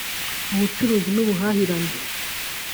Ubucuruzi n’ubuhahirane